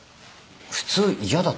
普通嫌だったら。